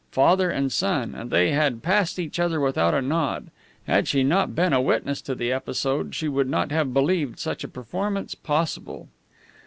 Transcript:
Father and son, and they had passed each other without a nod! Had she not been a witness to the episode, she would not have believed such a performance possible.